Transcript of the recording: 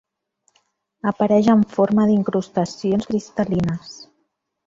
Apareix en forma d'incrustacions cristal·lines.